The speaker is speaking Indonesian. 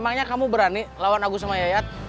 emangnya kamu berani lawan aku sama yayat